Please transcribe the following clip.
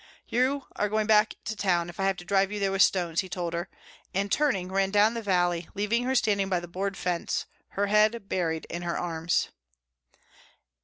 "You are going back to town if I have to drive you there with stones," he told her, and turning ran down the valley leaving her standing by the board fence, her head buried in her arms.